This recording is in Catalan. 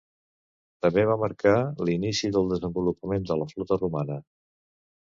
També va marcar l'inici del desenvolupament de la flota Romana.